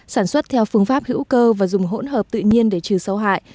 sản xuất theo phương pháp hữu cơ và dùng hỗn hợp tự nhiên để trừ sâu hại